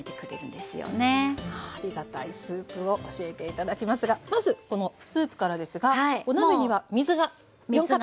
ありがたいスープを教えて頂きますがまずこのスープからですがお鍋には水が４カップ入っています。